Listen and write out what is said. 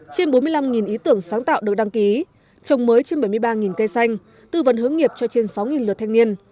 trên bốn mươi năm ý tưởng sáng tạo được đăng ký trồng mới trên bảy mươi ba cây xanh tư vấn hướng nghiệp cho trên sáu lượt thanh niên